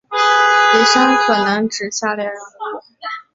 李珊可能指下列人物